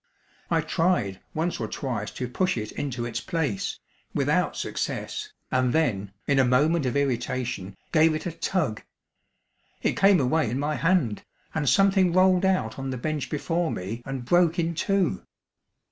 I tried once or twice to push it into its place, without success, and then, in a moment of irritation, gave it a tug. It came away in my hand, and something rolled out on the bench before me, and broke in two.